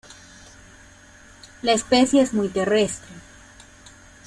La especie es muy terrestre.